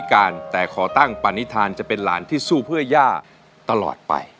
การแต่ขอตั้งปณิธานจะเป็นหลานที่สู้เพื่อย่าตลอดไป